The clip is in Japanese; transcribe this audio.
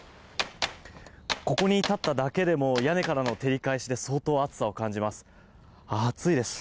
ここに立っただけでも屋根からの照り返しで相当暑さを感じます。